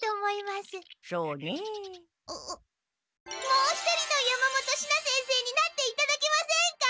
もう一人の山本シナ先生になっていただけませんか？